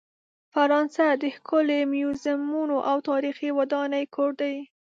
فرانسه د ښکلې میوزیمونو او تاریخي ودانۍ کور دی.